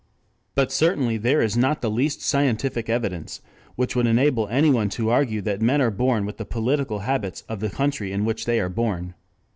But certainly there is not the least scientific evidence which would enable anyone to argue that men are born with the political habits of the country in which they are born.